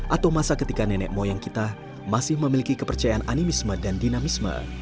atau masa ketika nenek moyang kita masih memiliki kepercayaan animisme dan dinamisme